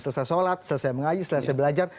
selesai sholat selesai mengaji selesai belajar